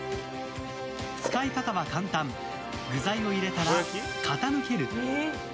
使い方は簡単具材を入れたら傾ける。